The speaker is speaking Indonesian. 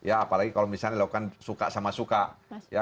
apalagi kalau misalnya dilakukan suka sama suka